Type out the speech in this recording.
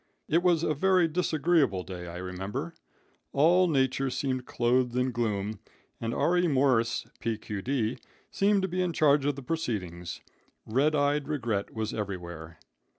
It was a very disagreeable day, I remember. All nature seemed clothed in gloom, and R.E. Morse, P.D.Q., seemed to be in charge of the proceedings. Redeyed Regret was everywhere.